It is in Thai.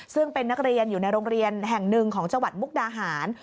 ซึ่งเป็นนักเรียนอยู่ในโรงเรียนแห่งหนึ่งของจังหวัดมุกดาหาร